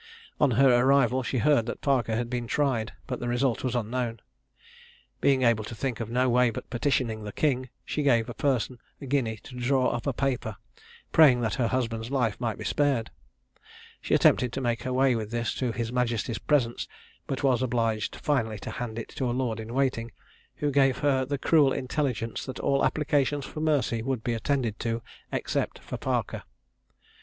On her arrival, she heard that Parker had been tried, but the result was unknown. Being able to think of no way but petitioning the king, she gave a person a guinea to draw up a paper, praying that her husband's life might be spared. She attempted to make her way with this to his majesty's presence, but was obliged finally to hand it to a lord in waiting, who gave her the cruel intelligence that all applications for mercy would be attended to, except for Parker.